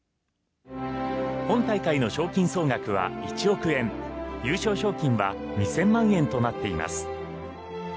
本大会の賞金総額は１億円優勝賞金は２０００万円となっています。